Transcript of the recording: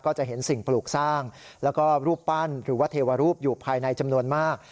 จะเห็นสิ่งปลูกสร้างแล้วก็รูปปั้นหรือว่าเทวรูปอยู่ภายในจำนวนมาก